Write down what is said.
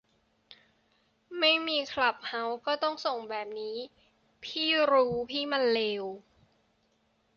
ไม่มีคลับเฮาส์ ก็ต้องส่งแบบนี้ พี่รู้พี่มันเลว